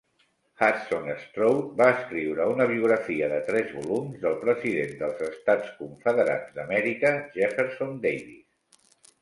Hudson Strode va escriure una biografia de tres volums del president dels Estats Confederats d'Amèrica, Jefferson Davis.